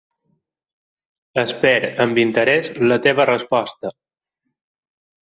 Espero amb interès la teva resposta.